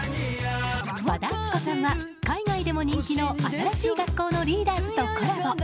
和田アキ子さんは海外でも人気の新しい学校のリーダーズとコラボ。